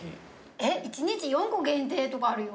えっ１日４個限定とかあるよ。